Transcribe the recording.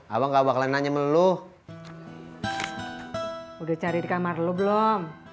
abang gak bakalan nanya melu udah cari di kamar lu belum